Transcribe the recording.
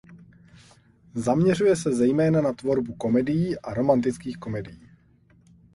Zaměřuje se zejména na tvorbu komedií a romantických komedií.